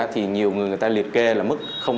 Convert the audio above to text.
thì nhiều người người ta liệt kê là mức